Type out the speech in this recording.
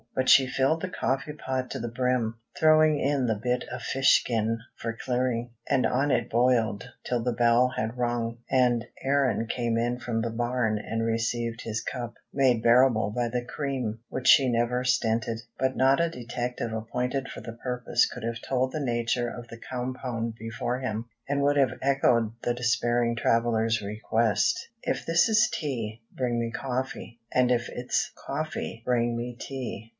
But she filled the coffee pot to the brim, throwing in the bit of fish skin for clearing; and on it boiled till the bell had rung, and Aaron came in from the barn and received his cup, made bearable by the cream, which she never stinted. But not a detective appointed for the purpose could have told the nature of the compound before him, and would have echoed the despairing traveler's request: "If this is tea, bring me coffee; and if it's coffee, bring me tea."